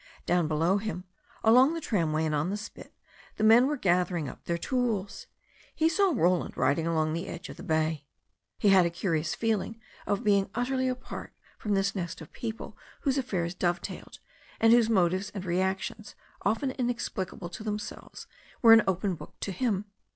Down below him, along the tramway and on the spit, the men were gathering up their tools. He saw Roland riding along the edge of the bay. He had a curious feeling of being utterly apart from this nest of people whose affairs dove tailed, and whose motives and reactions, often inexplicable to themselves, were an open book to him.